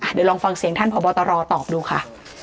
เดี๋ยวลองฟังเสียงท่านพบตรตอบดูค่ะ